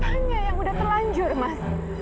hanya yang udah terlanjur mas